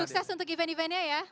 sukses untuk event eventnya ya